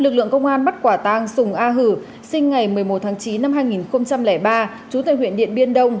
lực lượng công an bắt quả tang sùng a hử sinh ngày một mươi một chín hai nghìn ba trú tại huyện điện biên đông